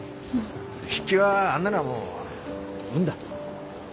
筆記はあんなのはもう運だ。